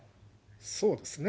そうですね。